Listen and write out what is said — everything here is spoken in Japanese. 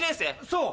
そう！